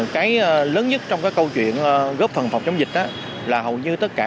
cái lớn nhất trong cái câu chuyện góp phần phòng chống dịch là hầu như tất cả